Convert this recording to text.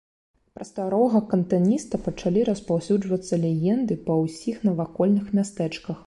Пра старога кантаніста пачалі распаўсюджвацца легенды па ўсіх навакольных мястэчках.